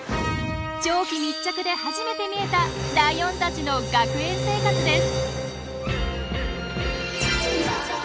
長期密着で初めて見えたライオンたちの学園生活です。